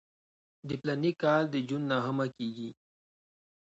د فلاني کال د جون نهمه کېږي.